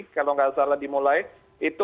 kalau nggak salah dimulai itu